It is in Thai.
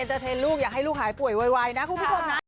จะเทนลูกอยากให้ลูกหายป่วยไวนะคุณผู้ชมนะ